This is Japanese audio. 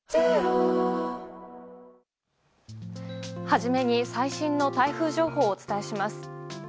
初めに最新の台風情報をお伝えします。